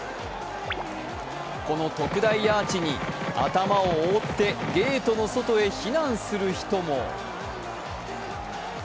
この特大アーチに頭を覆ってゲートの外へ避難する人も。